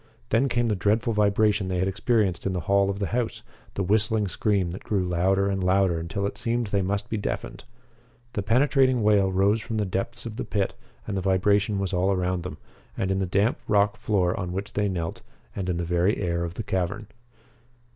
Then came the dreadful vibration they had experienced in the hall of the house the whistling scream that grew louder and louder until it seemed they must be deafened. The penetrating wail rose from the depths of the pit, and the vibration was all around them, in the damp rock floor on which they knelt, and in the very air of the cavern.